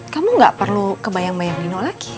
kamu gak perlu kebayang bayang lino lagi